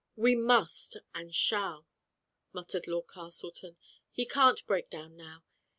"We must and shall," muttered Lord Castle ton. "He can't break down now.